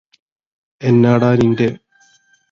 എന്നാടാ നിന്റെ